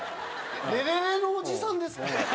レレレのおじさんですか？